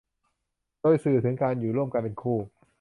โดยสื่อถึงการอยู่ร่วมกันเป็นคู่